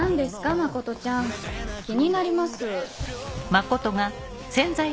真ちゃん気になります。